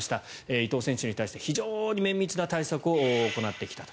伊藤選手に対して非常に綿密な対策を行ってきたと。